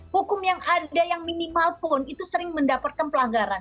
hukum yang ada yang minimal pun itu sering mendapatkan pelanggaran